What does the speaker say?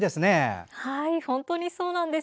本当にそうなんです。